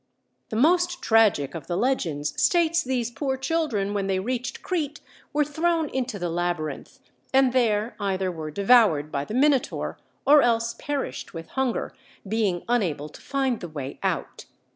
The most tragic of the legends states these poor children when they reached Crete were thrown into the Labyrinth, and there either were devoured by the Minotaur or else perished with hunger, being unable to find the way out.